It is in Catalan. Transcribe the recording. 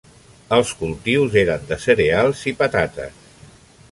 Els cultius eren de cereals i patates.